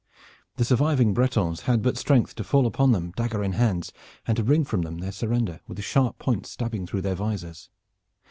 The surviving Bretons had but strength to fall upon them dagger in hands, and to wring from them their surrender with the sharp point stabbing through their visors.